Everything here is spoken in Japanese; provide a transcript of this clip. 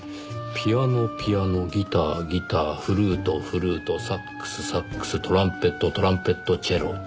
ピアノピアノギターギターフルートフルートサックスサックストランペットトランペットチェロチェロ。